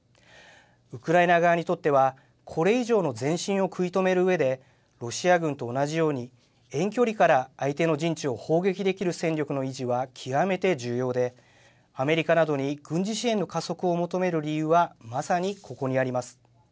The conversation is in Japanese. ウクライナ側にとっては、これ以上の前進を食い止めるうえで、ロシア軍と同じように、遠距離から相手の陣地を砲撃できる戦力の維持は、極めて重要で、アメリカなどに軍事支援の加速を求める理由は、まさにここにあります。